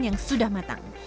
yang sudah mendidih